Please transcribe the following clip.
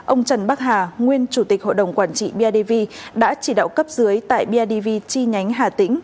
ông trần bắc hà nguyên chủ tịch hội đồng quản trị bidv đã chỉ đạo cấp dưới tại bidv chi nhánh hà tĩnh